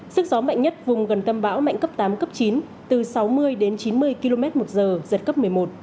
sức gió mạnh nhất vùng gần tâm bão mạnh cấp tám cấp chín từ sáu mươi đến chín mươi km một giờ giật cấp một mươi một